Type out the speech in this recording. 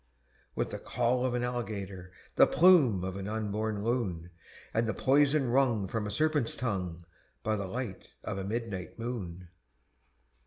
_With the caul of an alligator, The plume of an unborn loon, And the poison wrung From a serpent's tongue By the light of a midnight moon!